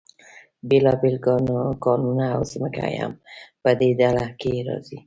بیلابیل کانونه او ځمکه هم په دې ډله کې راځي.